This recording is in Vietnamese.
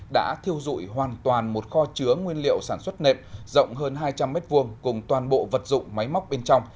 đã thiêu dụi hoàn toàn một kho chứa nguyên liệu sản xuất nệm rộng hơn hai trăm linh m hai cùng toàn bộ vật dụng máy móc bên trong